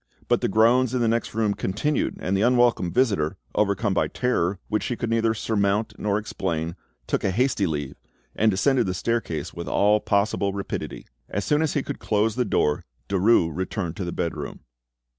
But the groans in the next room continued, and the unwelcome visitor, overcome by terror which she could neither surmount nor explain, took a hasty leave, and descended the staircase with all possible rapidity. As soon as he could close the door, Derues returned to the bedroom.